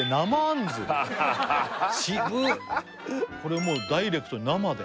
これもうダイレクトに生で？